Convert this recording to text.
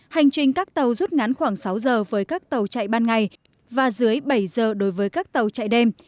hành trình các tàu rút ngắn khoảng sáu giờ với các tàu chạy ban ngày và dưới bảy giờ đối với các tàu chạy đêm